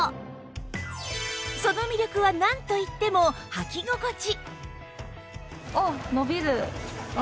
その魅力はなんといっても履き心地